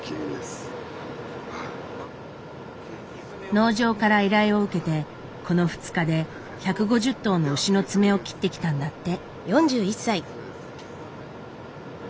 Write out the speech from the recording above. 農場から依頼を受けてこの２日で１５０頭の牛の爪を切ってきたんだって。